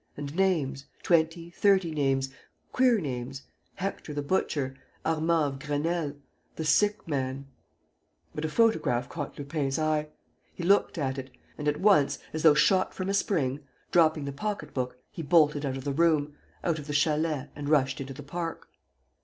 ... And names ... twenty, thirty names ... queer names: Hector the Butcher, Armand of Grenelle, the Sick Man ... But a photograph caught Lupin's eye. He looked at it. And, at once, as though shot from a spring, dropping the pocket book, he bolted out of the room, out of the chalet and rushed into the park.